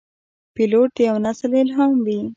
پیلوټ د یوه نسل الهام وي.